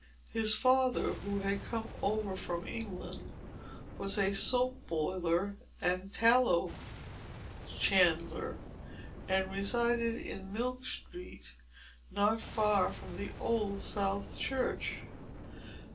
His father, who had come over from England, was a soap boiler and tallow chandler, and resided in Milk Street, not far from the old South Church.